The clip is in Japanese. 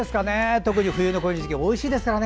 特に冬のこの時期おいしいですからね。